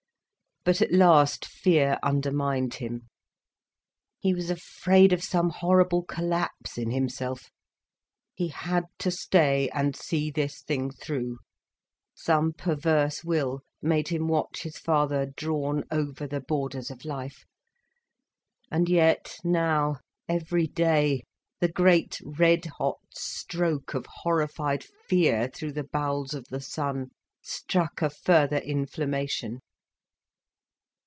But at last, fear undermined him. He was afraid of some horrible collapse in himself. He had to stay and see this thing through. Some perverse will made him watch his father drawn over the borders of life. And yet, now, every day, the great red hot stroke of horrified fear through the bowels of the son struck a further inflammation.